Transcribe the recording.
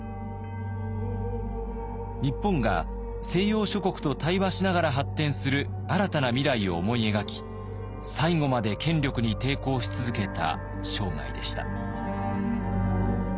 日本が西洋諸国と対話しながら発展する新たな未来を思い描き最後まで権力に抵抗し続けた生涯でした。